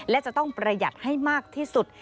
และจะต้องประหยัดให้มากที่สุด